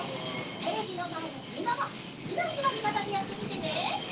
テレビのまえのみんなもすきなすわりかたでやってみてね。